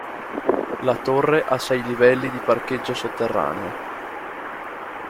La torre ha sei livelli di parcheggio sotterraneo.